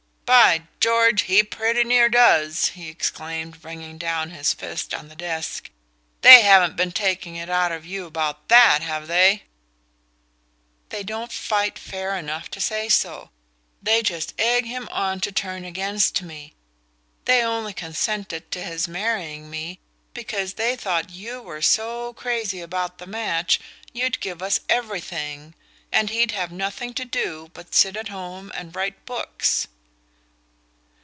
"By George, he pretty near does!" he exclaimed bringing down his fist on the desk. "They haven't been taking it out of you about that, have they?" "They don't fight fair enough to say so. They just egg him on to turn against me. They only consented to his marrying me because they thought you were so crazy about the match you'd give us everything, and he'd have nothing to do but sit at home and write books."